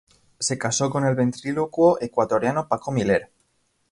Se casó con el ventrílocuo ecuatoriano Paco Miller.